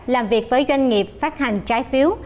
làm việc với doanh nghiệp phát hành trái phiếu